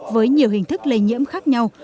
với nhiều hình thức lây nhiễm khác nhau